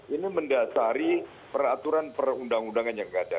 ini mendasari peraturan perundang undangan yang tidak ada